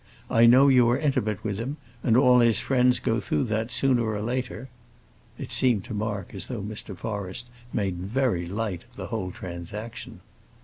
"I know you are intimate with him; and all his friends go through that, sooner or later." It seemed to Mark as though Mr. Forrest made very light of the whole transaction.